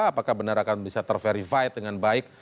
apakah benar akan bisa terverifikasi dengan baik